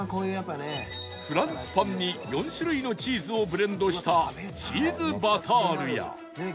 フランスパンに４種類のチーズをブレンドしたチーズバタールや